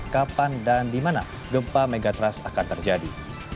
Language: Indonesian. kapan dan di mana gempa megatrust akan terjadi